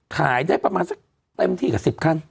ขายได้ประมาณสักเต็มที่กับ๑๐คัน